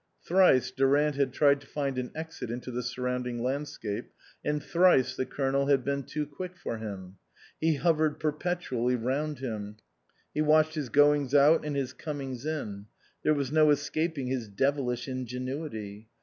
Thrice Durant had tried to find an exit into the sur rounding landscape, and thrice the Colonel had been too quick for him. He hovered perpetually round him ; he watched his goings out and his comings in ; there was no escaping his devilish ingenuity.